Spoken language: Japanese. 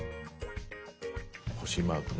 星マークね。